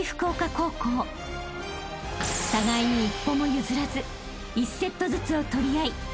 ［互いに一歩も譲らず１セットずつを取り合い］